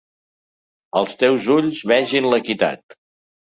Els teus ulls vegin l’equitat.